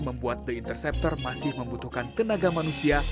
membuat the interceptor masih membutuhkan tenaga manusia